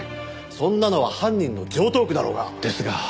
そんなのは犯人の常套句だろうが。ですが。